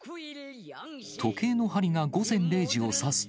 時計の針が午前０時を指すと。